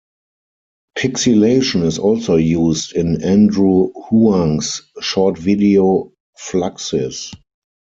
Pixilation is also used in Andrew Huang's short video "Fluxis".